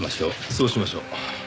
そうしましょう。